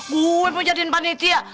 gue mau jadi panitia